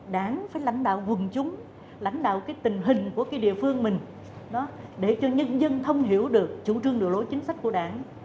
đảng phải lãnh đạo quần chúng lãnh đạo tình hình của địa phương mình để cho nhân dân thông hiểu được chủ trương độ lối chính sách của đảng